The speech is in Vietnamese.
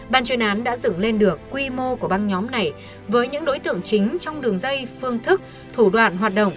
ban chuyển án đã dựng lên được quy mô của ban nhóm này với những đối tượng chính trong đồng xây phải phương thức thủ đoạn hoạt đồng